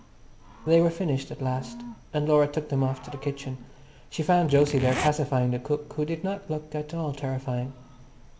They were finished at last, and Laura took them off to the kitchen. She found Jose there pacifying the cook, who did not look at all terrifying.